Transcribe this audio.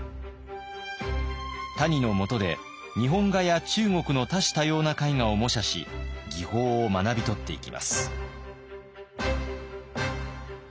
谷のもとで日本画や中国の多種多様な絵画を模写し技法を学び取っていきます。